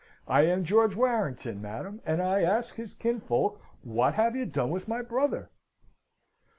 I am George Warrington, madam and I ask his kinsfolk what have you done with my brother?"